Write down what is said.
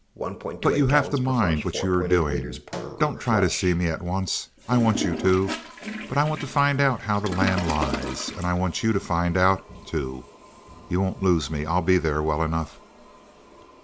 But you'll have to mind what you're doing. Don't try to see me at once. I want you to, but I want to find out how the land lies, and I want you to find out too. You won't lose me. I'll be there, well enough."